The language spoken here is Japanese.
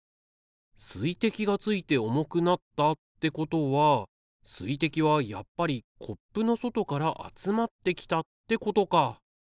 水滴がついて重くなったってことは水滴はやっぱりコップの外から集まってきたってことか。